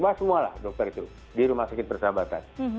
semualah dokter itu di rumah sakit persahabatan